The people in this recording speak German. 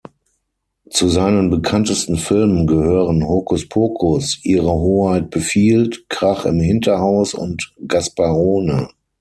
Zu seinen bekanntesten Filmen gehören "Hokuspokus", "Ihre Hoheit befiehlt", "Krach im Hinterhaus" und "Gasparone".